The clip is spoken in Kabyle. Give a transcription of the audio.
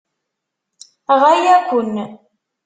Ɣaya-ken.